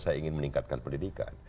saya ingin meningkatkan pendidikan